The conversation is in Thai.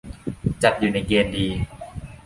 จัดอยู่ในเกณฑ์ดี